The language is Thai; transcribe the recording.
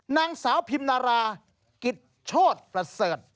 นางสาวพิมนารากิจโชธประเสริฐ